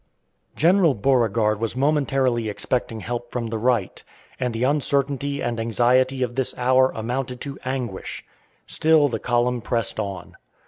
General Beauregard was momentarily expecting help from the right, and the uncertainty and anxiety of this hour amounted to anguish. Still the column pressed on.